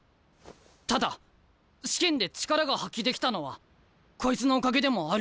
ただ試験で力が発揮できたのはこいつのおかげでもあるんだ！